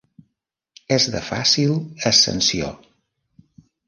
És de fàcil ascensió.